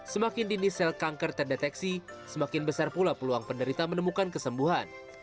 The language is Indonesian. semakin dini sel kanker terdeteksi semakin besar pula peluang penderita menemukan kesembuhan